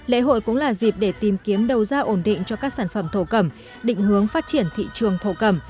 lễ hội cũng là dịp để tìm kiếm đầu ra ổn định cho các sản phẩm thổ cẩm định hướng phát triển thị trường thổ cầm